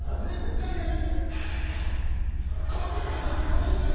ザリガニ。